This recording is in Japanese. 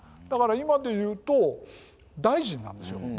だから今で言うと大臣なんですよ。